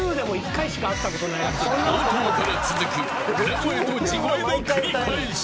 冒頭から続く裏声と地声の繰り返し。